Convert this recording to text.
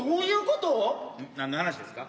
なんの話ですか？